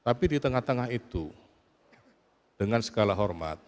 jadi di tengah tengah itu dengan segala hormat